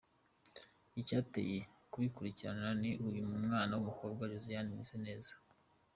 Icyanteye kubikurikirana ni uyu mwana w’umukobwa Josiane Mwiseneza.